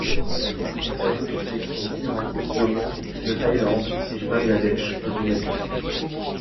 Il s'agit des sélections d'Iran, d'Oman, de Thaïlande, du Bangladesh et du Népal.